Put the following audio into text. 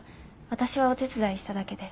私はお手伝いしただけで。